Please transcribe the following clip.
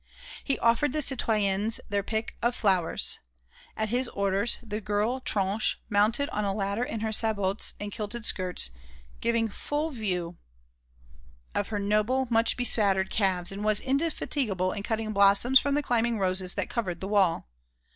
He offered the citoyennes their pick of flowers. At his orders, the girl Tronche mounted on a ladder in her sabots and kilted skirts, giving a full view of her noble, much bespattered calves, and was indefatigable in cutting blossoms from the climbing roses that covered the wall.